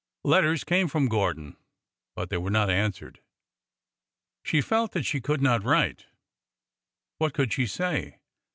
Letters came from Gordon, but they were not answered. She felt that she could not write. What could she say?